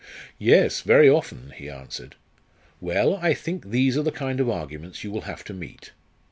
"Yes, very often," he answered. "Well, I think these are the kind of arguments you will have to meet."